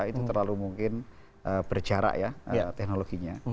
itu terlalu mungkin berjarak ya teknologinya